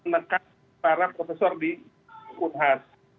menekan para profesor di unhas